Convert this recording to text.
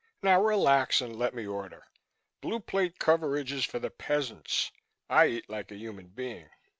Now relax and let me order. Blue Plate coverage is for the peasants; I eat like a human being."